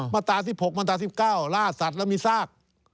มาตรา๑๖มาตรา๑๙ล่าสัตว์แล้วมีซาก